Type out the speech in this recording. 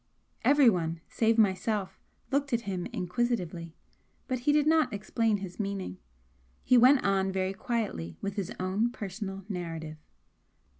Everyone, save myself, looked at him inquisitively, but he did not explain his meaning. He went on very quietly with his own personal narrative.